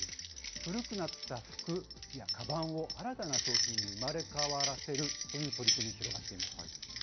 古くなった服やかばんを新たな商品に生まれ変わらせるという取り